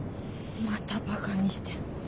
またバカにして。